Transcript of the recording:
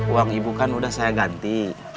uang ibu kan udah saya ganti